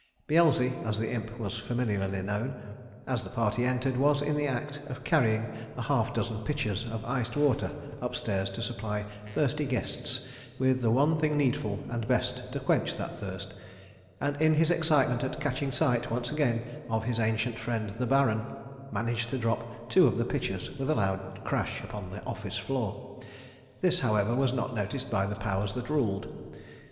Beelzy, as the Imp was familiarly known, as the party entered, was in the act of carrying a half dozen pitchers of iced water upstairs to supply thirsty guests with the one thing needful and best to quench that thirst, and in his excitement at catching sight once again of his ancient friend the Baron, managed to drop two of the pitchers with a loud crash upon the office floor. This, however, was not noticed by the powers that ruled.